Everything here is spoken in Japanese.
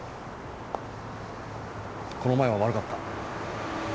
この前は悪かった。